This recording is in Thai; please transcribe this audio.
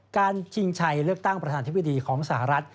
การชิงชัยเลือกตั้งประธานทฤพธิ์ของสหรัฐ